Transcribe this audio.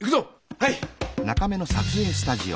はい。